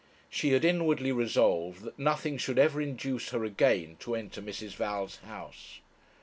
She had inwardly resolved that nothing should ever induce her again to enter Mrs. Val's house.